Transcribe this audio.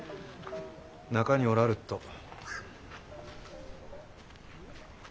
中におらるっと。